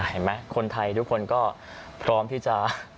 เห็นไหมคนไทยทุกคนก็พร้อมที่จะ